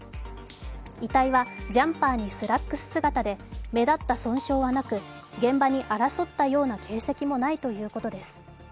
遺体はジャンパーにスラックス姿で目立った損傷はなく、現場に争ったような形跡もないということです。